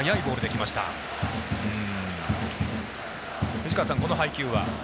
藤川さん、この配球は？